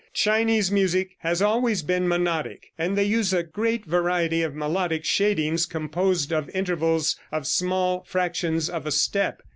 Chinese music has always been monodic, and they use a great variety of melodic shadings composed of intervals of small fractions of a step.